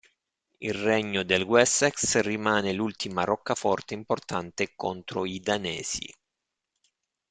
Il regno del Wessex rimane l'ultima roccaforte importante contro i danesi.